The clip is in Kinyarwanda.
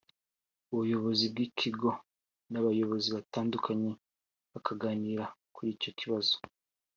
ubuyobozi bw’ikigo n’abayobozi batandukanye bakaganira kuri icyo kibazo